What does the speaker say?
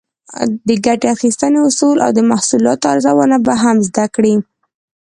د ګټې اخیستنې اصول او د محصولاتو ارزونه به هم زده کړئ.